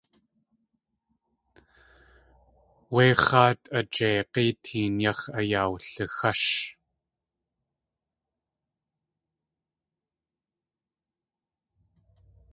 Wé x̲áat a jeig̲í teen yax̲ ayawlixásh.